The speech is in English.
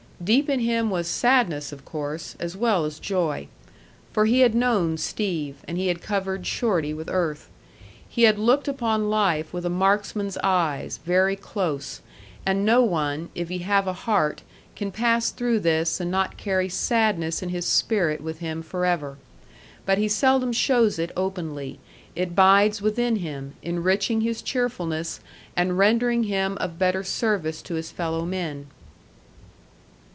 Deep in him was sadness of course, as well as joy. For he had known Steve, and he had covered Shorty with earth. He had looked upon life with a marksman's eyes, very close; and no one, if he have a heart, can pass through this and not carry sadness in his spirit with him forever. But he seldom shows it openly; it bides within him, enriching his cheerfulness and rendering him of better service to his fellow men.